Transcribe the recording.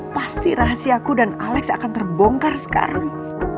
pasti rahasiaku dan alex akan terbongkar sekarang